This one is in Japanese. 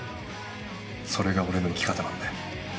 それが俺の生き方なんで。